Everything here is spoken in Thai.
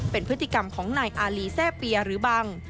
เป็นพฤติกรรมของนายอารีแซ่เปียหรือบัง